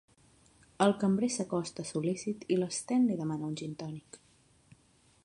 El cambrer s'acosta sol.lícit i l'Sten li demana un gintònic.